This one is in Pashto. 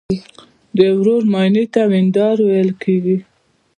د ورور ماینې ته وریندار ویل کیږي.